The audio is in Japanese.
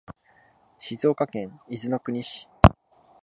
静岡県伊豆の国市